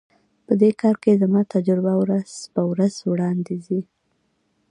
په دې کار کې زما تجربه ورځ په ورځ وړاندي ځي.